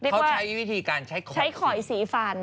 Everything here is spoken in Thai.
เขาใช้วิธีการใช้ขอยสีฟัน